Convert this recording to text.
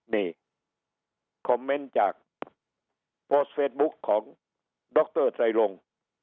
นี่คอมเมนต์จากโพสต์เฟซบุ๊คของดรไตรลง